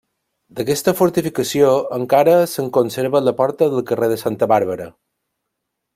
D'aquesta fortificació encara se'n conserva la porta del carrer de Santa Bàrbara.